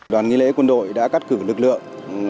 đoàn nghi lễ quân đội đã cắt cử lực lượng